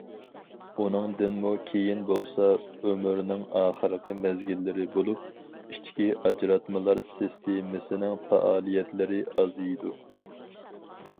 ئۇنىڭدىنمۇ كېيىن بولسا ئۆمۈرنىڭ ئاخىرقى مەزگىللىرى بولۇپ، ئىچكى ئاجراتمىلار سىستېمىسىنىڭ پائالىيەتلىرى ئازىيىدۇ.